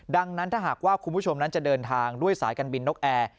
ดังนั้นถ้าหากว่าคุณผู้ชมนั้นจะเดินทางด้วยสายการบินนกแอร์